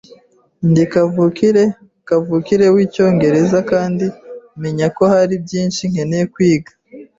Ndi kavukire kavukire wicyongereza kandi menye ko hari byinshi nkeneye kwiga.